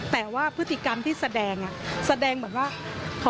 แต่ว่าพฤติกรรมที่แสดงแสดงเหมือนว่าขอโทษนะครับ